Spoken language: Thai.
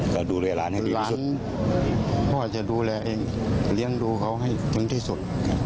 ก็ดูแลหลานให้ดีที่สุดพ่อจะดูแลเองเลี้ยงดูเขาให้ถึงที่สุด